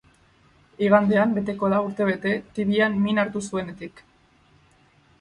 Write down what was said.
Igandean beteko da urtebete tibian min hartu zuenetik.